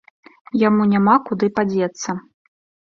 Яму няма куды падзецца.